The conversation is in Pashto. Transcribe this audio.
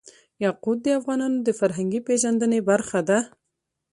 یاقوت د افغانانو د فرهنګي پیژندنې برخه ده.